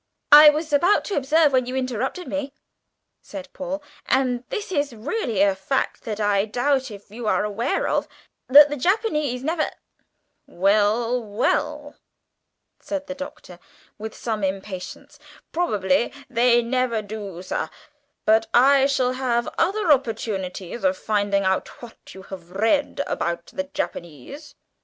"I was about to observe, when you interrupted me," said Paul, "(and this is really a fact that I doubt if you are aware of), that the Japanese never " "Well, well," said the Doctor, with some impatience, "probably they never do, sir, but I shall have other opportunities of finding out what you have read about the Japanese."